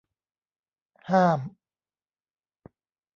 ห้าม